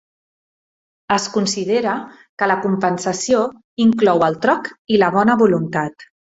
Es considera que la compensació inclou el troc i la bona voluntat.